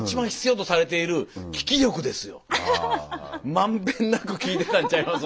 満遍なく聞いてたんちゃいます？